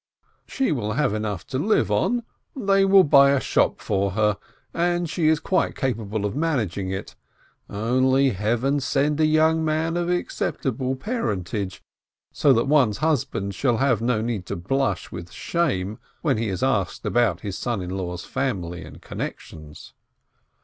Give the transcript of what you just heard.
She 458 BLINKIN will have enough to live on, they will buy a shop for her, she is quite capable of managing it — only let Heaven send a young man of acceptable parentage, so that one's husband shall have no need to blush with shame when he is asked about his son in law's family and connections.